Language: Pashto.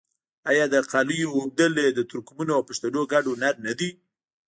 آیا د قالیو اوبدل د ترکمنو او پښتنو ګډ هنر نه دی؟